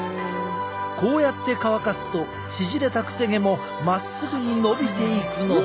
こうやって乾かすと縮れたくせ毛もまっすぐに伸びていくのだ。